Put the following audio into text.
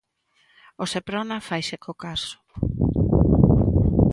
O Seprona faise co caso.